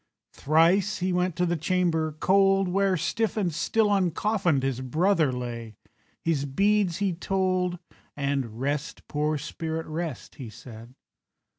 Thrice he went to the chamber cold, Where, stiff and still uncoffinèd, His brother lay, his beads he told, And "Rest, poor spirit, rest," he said.